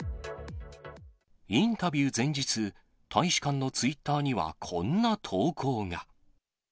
インタビュー前日、大使館のツイッターにはこんな投稿が。